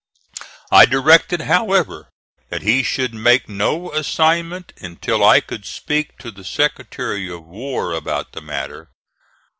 I directed, however, that he should make no assignment until I could speak to the Secretary of War about the matter.